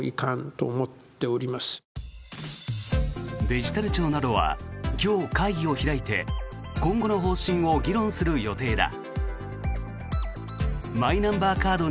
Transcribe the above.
デジタル庁などは今日、会議を開いて今後の方針を議論する予定だ。